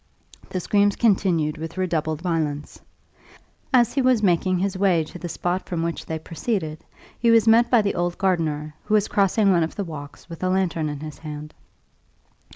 The screams continued with redoubled violence. As he was making his way to the spot from which they proceeded, he was met by the old gardener, who was crossing one of the walks with a lantern in his hand.